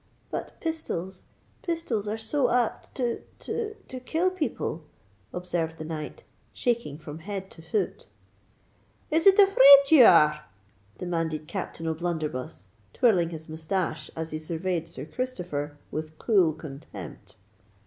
"But pistols—pistols are so apt to—to—kill people," observed the knight, shaking from head to foot. "Is it afraid ye are?" demanded Captain O'Blunderbuss, twirling his moustache, as he surveyed Sir Christopher with cool contempt.